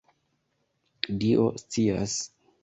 Dio scias!